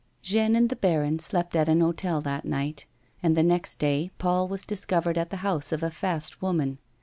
Jeanne and the baron slept at an hotel that night, and the next day Paul was discovered at the house of a fast woman.